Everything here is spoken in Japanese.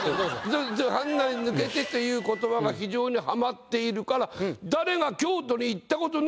「はんなり抜けて」という言葉が非常にはまっているから。